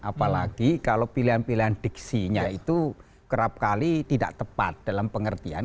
apalagi kalau pilihan pilihan diksinya itu kerap kali tidak tepat dalam pengertian